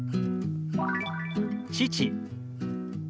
「父」。